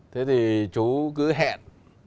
thế thì chú cứ hẹn